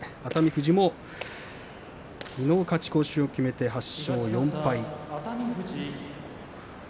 富士もきのう勝ち越しを決めて８勝４敗です。